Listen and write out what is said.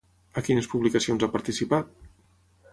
A quines publicacions ha participat?